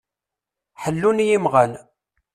Ḥellun yimɣan.